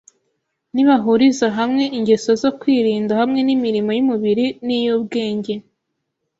Nibahuriza hamwe ingeso zo kwirinda hamwe n’imirimo y’umubiri n’iy’ubwenge